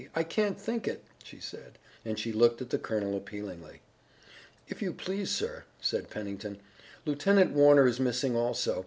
I can't think it!" she said, and she looked at the colonel appealingly. "If you please, sir," said Pennington, "Lieutenant Warner is missing also.